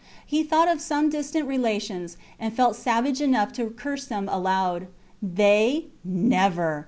He thought of some distant relations, and felt savage enough to curse them aloud. They! Never!